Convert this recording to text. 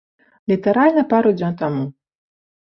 Літаральна пару дзён таму.